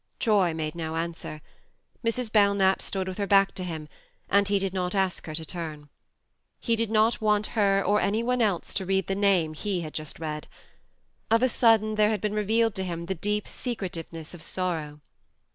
Troy made no answer. Mrs. Belknap stood with her back to him, and he did not ask her to turn. He did not want her, or any one else, to read the name he had just read ; of a sudden there had been revealed to him the deep secretiveness of sorrow.